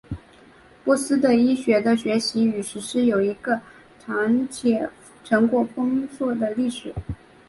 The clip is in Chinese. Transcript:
波斯的医学的学习与实施有一个长且成果丰硕的历史。